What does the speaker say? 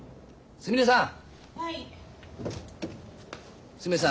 すみれさん。